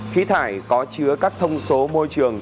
khí thải có chứa các thông số môi trường